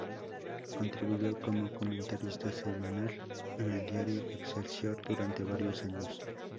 Contribuyó como comentarista semanal en el diario Excelsior durante varios años.